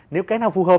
nếu cái nào phù hợp